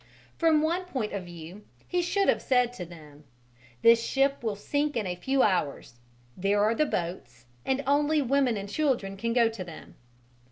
From one point of view he should have said to them, "This ship will sink in a few hours: there are the boats, and only women and children can go to them."